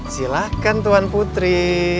silahkan tuan putri